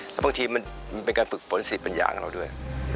แล้วบางทีมันเป็นการฝึกฝนสิทธิปัญญาของเราด้วย